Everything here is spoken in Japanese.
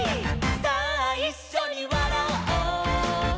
さあいっしょにわらおう」